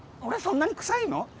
俺そんなに臭いの？